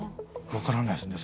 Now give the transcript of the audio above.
分からないですね。